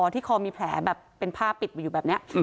ที่คอมีแผลแบบเป็นผ้าปิดมาอยู่แบบนี้